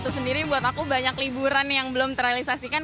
dua ribu dua puluh satu sendiri buat aku banyak liburan yang belum terrealisasikan